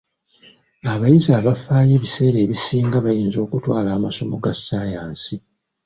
Abayizi abafaayo ebiseera ebisinga bayinza okutwala amasomo ga ssaayansi.